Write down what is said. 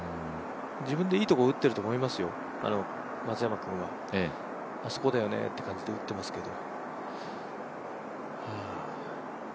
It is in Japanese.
自分でいいところ打ってると思いますよ、松山君は。あそこだよねという感じで打ってますけど。